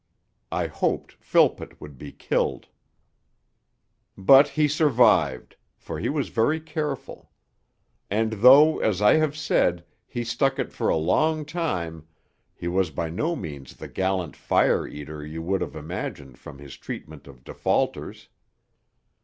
I hoped Philpott would be killed.... IV But he survived, for he was very careful. And though, as I have said, he stuck it for a long time, he was by no means the gallant fire eater you would have imagined from his treatment of defaulters.